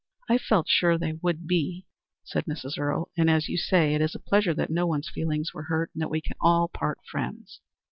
"I felt sure they would be," exclaimed Mrs. Earle. "And, as you say, it is a pleasure that no one's feelings were hurt, and that we can all part friends."